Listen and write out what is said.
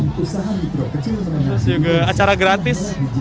terus juga acara gratis